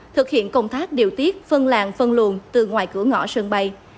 thực hiện công tác điều tiết phân làng phân luồn từ ngoài cửa ngõ sân bay